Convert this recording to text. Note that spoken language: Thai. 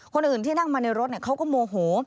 คนอื่นที่นั่งมาในรถเขาก็โมโห